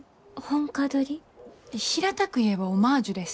平たく言えばオマージュです。